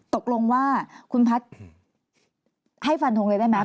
ตกลงว่าคุณพัฒน์ให้ฟันทงเลยได้ไหม